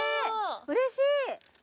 うれしい。